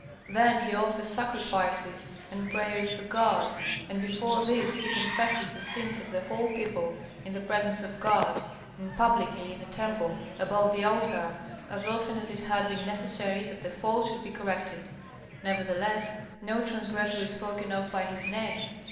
Then he offers sacrifices and prayers to God. And before this he confesses the sins of the whole people, in the presence of God, and publicly in the temple, above the altar, as often as it had been necessary that the fault should be corrected. Nevertheless, no transgressor is spoken of by his name.